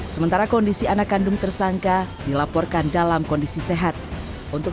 sementara kondisi anak kandung tersangka dilaporkan dalam kondisi sehat untuk